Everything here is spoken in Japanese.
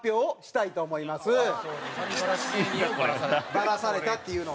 バラされたっていうのをね。